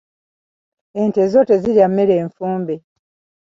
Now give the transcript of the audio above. Ente zo tezirya mmere nfumbe.